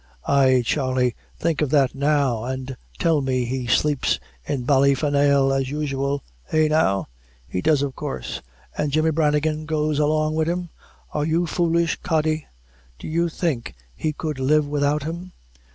"Ay, Charley, think of that now; an' tell me, he sleeps in Ballynafail, as usual; eh, now?" "He does of course." "An' Jemmy Branigan goes along wid him?" "Are you foolish, Kody? Do you think he could live widout him?"